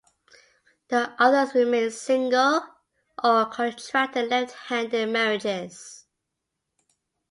The others remained single, or contracted left-handed marriages.